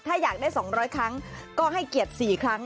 ถ้าอยากได้๒๐๐ครั้งก็ให้เกียรติ๔ครั้ง